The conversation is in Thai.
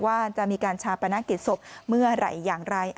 ว่าจะมีการชาปนกิจศพเมื่อไหร่อย่างไร